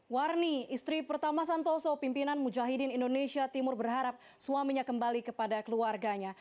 warni istri pertama santoso pimpinan mujahidin indonesia timur berharap suaminya kembali kepada keluarganya